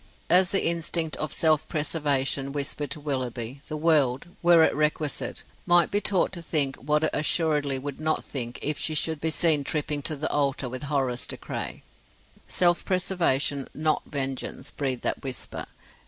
As the instinct of self preservation whispered to Willoughby, the world, were it requisite, might be taught to think what it assuredly would not think if she should be seen tripping to the altar with Horace De Craye. Self preservation, not vengeance, breathed that whisper.